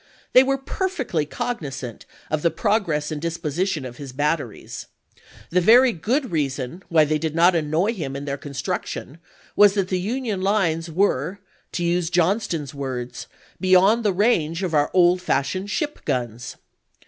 They were perfectly cognizant of the pro gress and disposition of his batteries; the very good reason why they did not annoy him in their construction was that the Union lines were, to use Johnston's words, "beyond the range of our old fashioned ship guns."